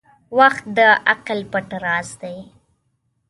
• وخت د عقل پټ راز دی.